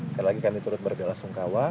sekali lagi kami turut berbela sungkawa